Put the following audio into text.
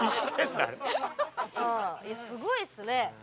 すごいっすね。